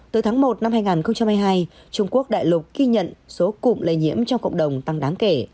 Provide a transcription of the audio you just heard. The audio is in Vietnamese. tới tháng một năm hai nghìn hai mươi hai trung quốc đại lục ghi nhận số cụm lây nhiễm trong cộng đồng tăng đáng kể